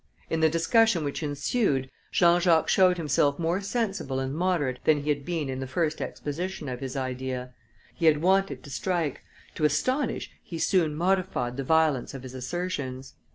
In the discussion which ensued, Jean Jacques showed himself more sensible and moderate than he had been in the first exposition of his idea; he had wanted to strike, to astonish he soon modified the violence of his assertions.